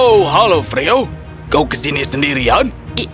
oh halo freo kau kesini sendirian